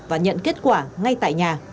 và nhận kết quả ngay tại nhà